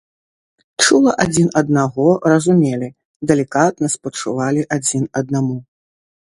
Чула адзін аднаго разумелі, далікатна спачувалі адзін аднаму.